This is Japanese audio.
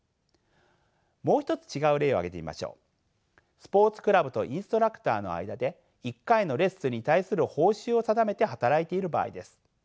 スポーツクラブとインストラクターの間で１回のレッスンに対する報酬を定めて働いている場合です。